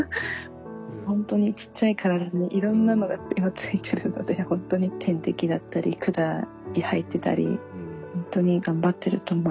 ほんとにちっちゃい体にいろんなのが今ついてるのでほんとに点滴だったり管入ってたりほんとに頑張ってると思います今。